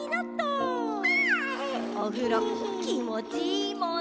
おふろきもちいいもんね。